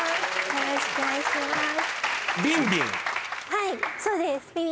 はいそうです